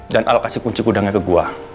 dan al kasih kunci gudangnya ke gue